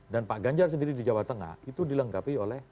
dan pak ganjar sendiri di jawa tengah itu dilengkapi oleh